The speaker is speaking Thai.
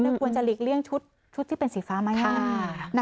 ควรจะหลีกเลี่ยงชุดที่เป็นสีฟ้าไหม